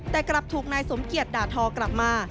แต่กลับถูกนายสมเกียจด่าทอกลับมา